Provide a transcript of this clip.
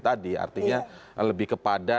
tadi artinya lebih kepada